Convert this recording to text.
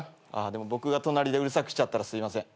でも僕が隣でうるさくしちゃったらすみません。